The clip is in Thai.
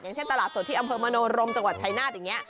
เช่นตลาดสดที่อำเภอมโนรมจังหวัดชายนาฏอย่างนี้